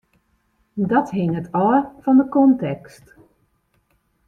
Dat hinget ôf fan de kontekst.